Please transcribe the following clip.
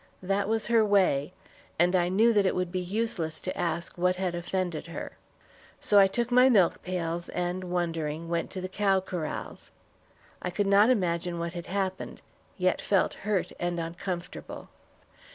That was her way, and I knew that it would be useless to ask what had offended her. So I took my milk pails, and, wondering, went to the cow corrals. I could not imagine what had happened, yet felt hurt and uncomfortable.